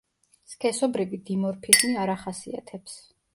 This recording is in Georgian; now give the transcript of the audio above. სქესობრივი დიმორფიზმი არ ახასიათებს.